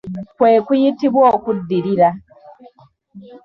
Kwe kuyitibwa okuddirira.